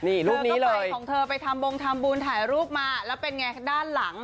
นี่รูปนี้เลยเธอก็ไปของเธอไปทำบงทำบุญถ่ายรูปมาแล้วเป็นไงด้านหลัง